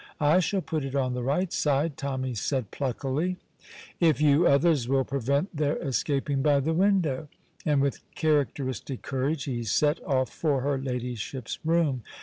"I shall put it on the right side," Tommy said pluckily, "if you others will prevent their escaping by the window"; and with characteristic courage he set off for her Ladyship's room.